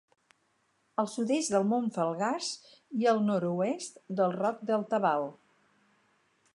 És al sud-est del Mont Falgars i al nord-oest del Roc del Tabal.